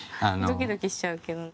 ドキドキしちゃうけど。